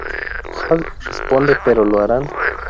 Jad responde, "¡pero, lo harán!